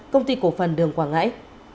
công ty cổ phần đường quảng ngãi